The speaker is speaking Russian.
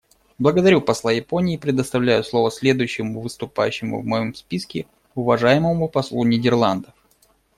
Благодарю посла Японии и предоставляю слово следующему выступающему в моем списке — уважаемому послу Нидерландов.